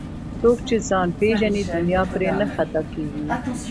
څوک چې ځان پیژني دنیا پرې نه خطا کېږي